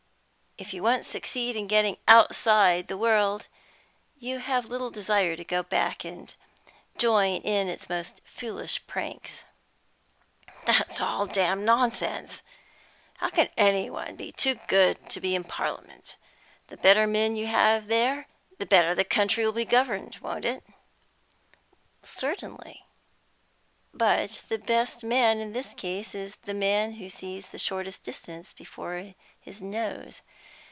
If you once succeed in getting outside the world, you have little desire to go back and join in its most foolish pranks." "That's all damned nonsense! How can any one be too good to be in Parliament? The better men you have there, the better the country will be governed, won't it?" "Certainly. But the best man, in this case, is the man who sees the shortest distance before his nose.